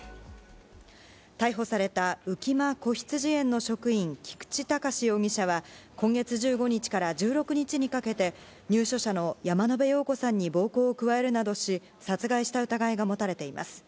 逮捕された、浮間こひつじ園の職員、菊池隆容疑者は、今月１５日から１６日にかけて、入所者の山野辺陽子さんに暴行を加えるなどし、殺害した疑いが持たれています。